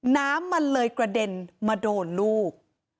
น้ำมันเลยกระเด็นมาโดนลูก